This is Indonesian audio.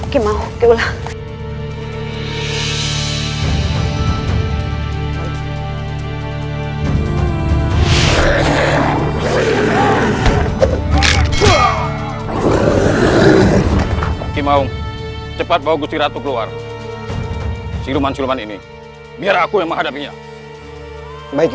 kemau cepat bagus diratu keluar siluman siluman ini biar aku yang menghadapinya baik